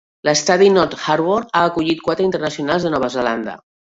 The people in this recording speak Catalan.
L'estadi North Harbour ha acollit quatre internacionals de Nova Zelanda.